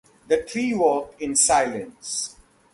The three walked in silence.